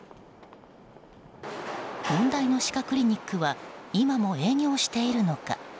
問題の歯科クリニックは今の営業しているのか。